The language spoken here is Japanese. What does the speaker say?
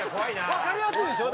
わかりやすいでしょ？